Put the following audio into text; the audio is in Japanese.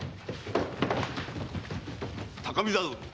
高見沢殿！